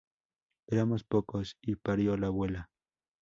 Éramos pocos, y parió la abuela